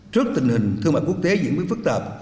trước tình hình thương mại quốc tế diễn biến phức tạp